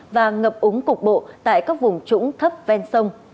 và ngập úng cục bộ tại các vùng trũng thấp ven sông